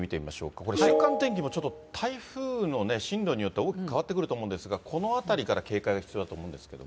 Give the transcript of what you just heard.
これ、週間天気もちょっと台風の進路によって大きく変わってくると思うんですが、このあたりから警戒が必要だと思うんですけれども。